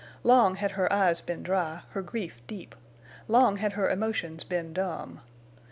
Long had her eyes been dry, her grief deep; long had her emotions been dumb.